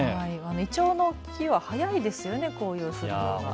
いちょうの木は早いですよね、紅葉するのが。